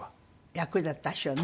役立ったでしょうね。